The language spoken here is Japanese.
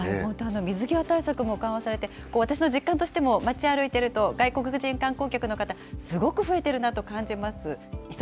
水際対策も緩和されて、わたくしの実感としても街歩いていると、外国人観光客の方、すごく増えてるなと感じます。